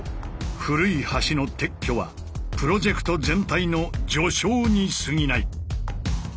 古い橋の撤去はプロジェクト全体の序章にすぎない。